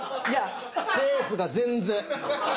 ペースが全然。